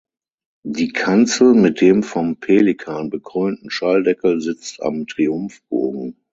Die Kanzel mit dem vom Pelikan bekrönten Schalldeckel sitzt am Triumphbogen.